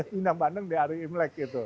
pindang bandeng di hari imlek itu